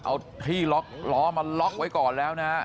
เอาที่ล็อกล้อมาล็อกไว้ก่อนแล้วนะฮะ